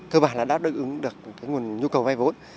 cơ bản là đáp ứng được cái nguồn nhu cầu vay vốn